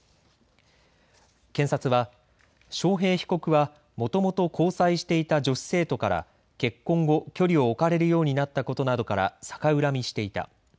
検察は章平被告はもともと交際していた女子生徒から結婚後、距離を置かれるようになったことなどから逆恨みしていた。